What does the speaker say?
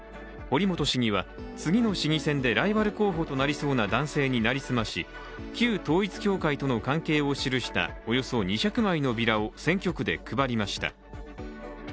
堀本市議は次の市議選でライバル候補となりそうな男性に成り済まし、旧統一教会との関係を記したおよそ２００枚のビラを選挙区で配りました。